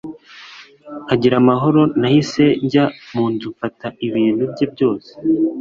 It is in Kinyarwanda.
nkagira amahoro nahise njya munzu mfata ibintu bye byose